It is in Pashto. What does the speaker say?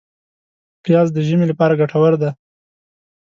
پیاز د ژمي لپاره ګټور دی